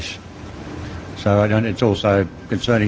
jadi saya tidak itu juga mengenai